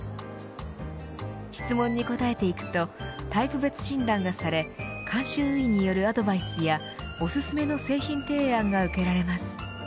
質問に答えていくとタイプ別診断がされ監修医によるアドバイスやおすすめの製品提案が受けられます。